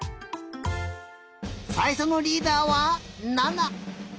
さいしょのリーダーはナナ！